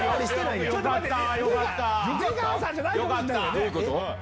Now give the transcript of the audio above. どういうこと？